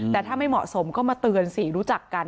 แต่ถ้าไม่เหมาะสมก็มาเตือนสิรู้จักกัน